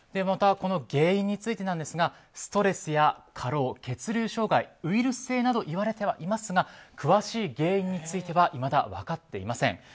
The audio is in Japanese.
また、この原因についてですがストレスや過労、血流障害ウイルス性など言われていますが詳しい原因についてはいまだ分かっていません。